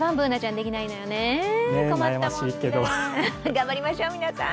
頑張りましょう、皆さん。